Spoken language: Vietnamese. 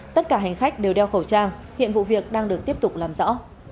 tất cả hành khách đều đeo khẩu trang hiện vụ việc đang được tiếp tục làm rõ